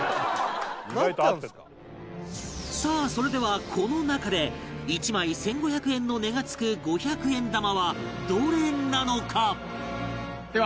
さあそれではこの中で１枚１５００円の値がつく５００円玉はどれなのか？